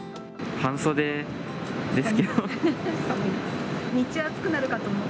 半袖ですけど。